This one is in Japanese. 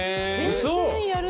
全然やる。